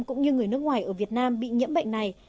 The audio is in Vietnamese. cũng như người nước ngoài ở việt nam bị nhiễm bệnh này